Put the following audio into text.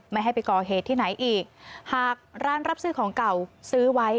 ไม่ให้ไปก่อเหตุที่ไหนอีกหากร้านรับซื้อของเก่าซื้อไว้